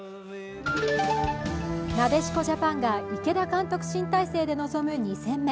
なでしこジャパンが池田監督新体制で臨む２戦目。